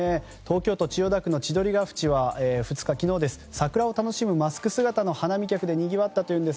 東京都千代田区の千鳥ケ淵は２日、桜を楽しむマスク姿の花見客でにぎわったと。